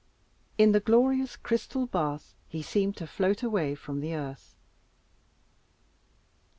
In the glorious crystal bath he seemed to float away from earth.